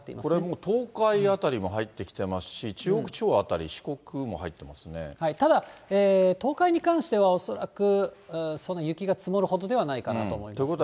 これ、東海辺りも入ってきてますし、中国地方辺り、ただ、東海に関しては、恐らく、その雪が積もるほどではないかなと思います。